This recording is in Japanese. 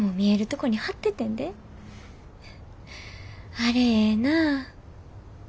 あれええなあ。